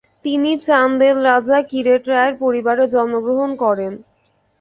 তিনি চান্দেল রাজা কিরেট রায়ের পরিবারে জন্মগ্রহণ করেন।